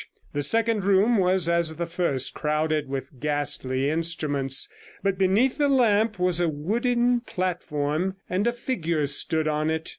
The second room was as the first, crowded with ghastly instruments; but beneath the lamp was a wooden platform, and a figure stood on it.